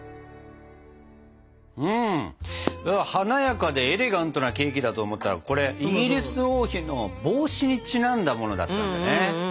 華やかでエレガントなケーキだと思ったらこれイギリス王妃の帽子にちなんだものだったんだね。